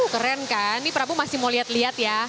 keren kan ini prabu masih mau lihat lihat ya